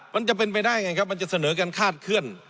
มันจะเป็นไปได้ไงครับมันจะเสนอกันคาดเคลื่อน